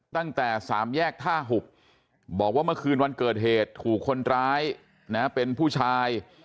ตั้งแต่สามแยกท่าหุบบอกว่าเมื่อคืนวันเกิดเหตุถูกคนร้ายเป็นผู้ชาย